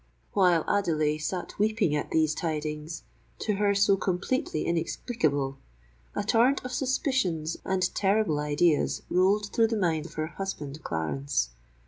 While Adelais sate weeping at these tidings, to her so completely inexplicable, a torrent of suspicions and terrible ideas rolled through the mind of her husband Clarence.